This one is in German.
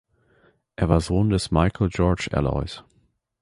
Er war Sohn des Michael Georg Alois.